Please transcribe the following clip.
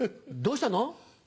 どうしたの？